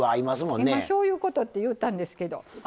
今「しょうゆうこと」って言うたんですけど。